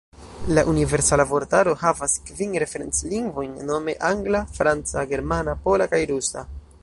La Universala Vortaro havas kvin referenc-lingvojn, nome angla, franca, germana, pola kaj rusa.